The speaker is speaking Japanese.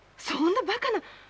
そんなバカな！